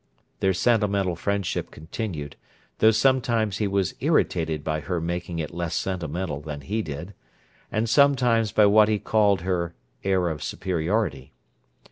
Their sentimental friendship continued, though sometimes he was irritated by her making it less sentimental than he did, and sometimes by what he called her "air of superiority."